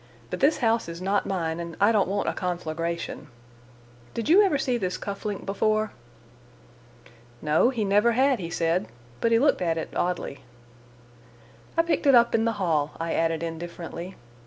But this house is not mine, and I don't want a conflagration. Did you ever see this cuff link before?" No, he never had, he said, but he looked at it oddly. "I picked it up in the hall," I added indifferently.